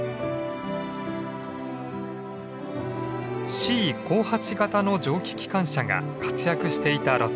Ｃ５８形の蒸気機関車が活躍していた路線です。